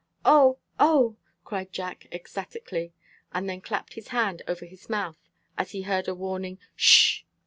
"O! O!" cried Jack ecstatically, and then clapped his hand over his mouth as he heard a warning "Sh!"